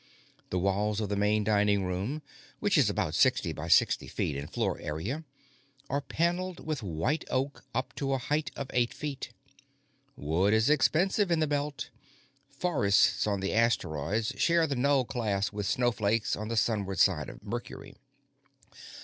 The walls of the main dining room, which is about sixty by sixty feet in floor area, are paneled with white oak up to a height of eight feet. Wood is expensive in the Belt; forests on the asteroids share the null class with snowflakes on the sunward side of Mercury.